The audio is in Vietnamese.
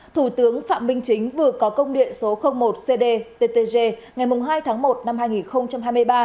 thủ tướng phạm minh chính vừa có công điện số một cdttg ngày hai tháng một năm hai nghìn hai mươi ba